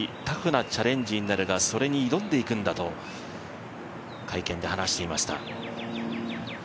タフなチャレンジになるがそれに挑んでいくんだと会見で話していました。